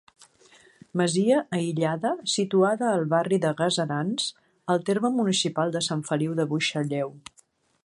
Masia aïllada, situada al barri de Gaserans, al terme municipal de Sant Feliu de Buixalleu.